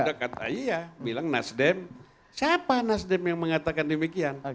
ada kata iya bilang nasdem siapa nasdem yang mengatakan demikian